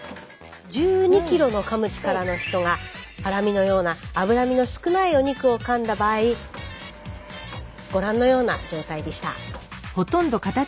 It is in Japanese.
１２キロのかむ力の人がハラミのような脂身の少ないお肉をかんだ場合ご覧のような状態でした。